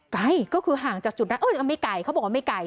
ไกลก็คือห่างจากจุดนั้นไม่ไกลเขาบอกว่าไม่ไกล